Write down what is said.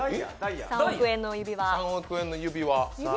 ３億円の指輪。